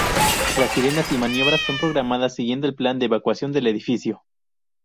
Las sirenas y maniobras son programadas siguiendo el plan de evacuación del edificio.